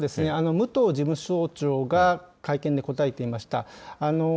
武藤事務総長が会見で答えていました。